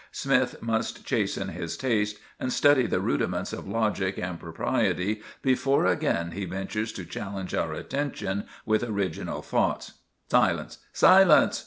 Smythe must chasten his taste and study the rudiments of logic and propriety before again he ventures to challenge our attention with original thoughts. Silence! Silence!"